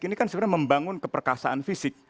ini kan sebenarnya membangun keperkasaan fisik